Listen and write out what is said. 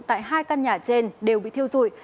tại hai căn nhà trên đều bị thiêu dụi